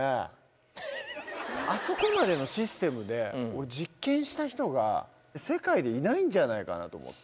あそこまでのシステムで実験した人が世界にいないんじゃないかなと思って。